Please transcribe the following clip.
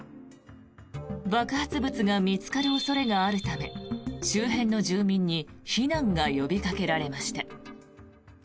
爆発物が見つかる恐れがあるため周辺の住民に避難が呼びかけられました。